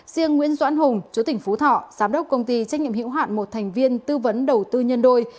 riêng nguyễn doãn hùng chú tỉnh phú thọ giám đốc công ty trách nhiệm hữu hạn một thành viên tư vấn đầu tư nhân đôi